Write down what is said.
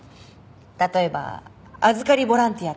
例えば預かりボランティアとか。